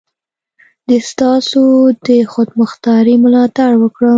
د ستاسو د خودمختاري ملاتړ وکړم.